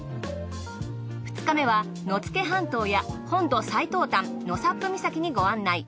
２日目は野付半島や本土最東端納沙布岬にご案内。